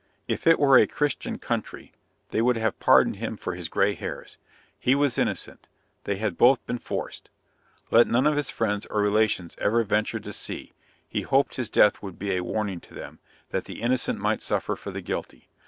If it were a Christian country, they would have pardoned him for his gray hairs. He was innocent they had both been forced. Let none of his friends or relations ever venture to sea he hoped his death would be a warning to them, that the innocent might suffer for the guilty.